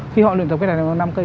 khi họ luyện tập bài năm cây